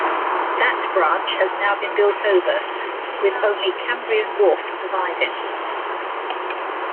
That branch has now been built over, with only Cambrian Wharf surviving.